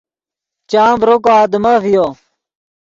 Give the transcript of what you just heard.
چام ڤرو کو آدمف ڤیو